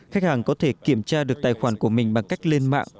khách hàng có thể kiểm tra được tài khoản của mình bằng cách lên mạng